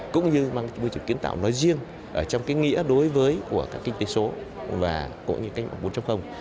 cũng như môi trường kiến tạo nói riêng trong cái nghĩa đối với của các kinh tế số và của những cách mạng bốn